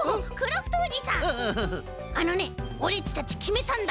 あのねオレっちたちきめたんだ。